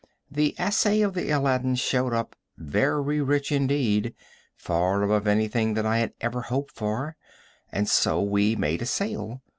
The assay of the Aladdin showed up very rich indeed, far above anything that I had ever hoped for, and so we made a sale.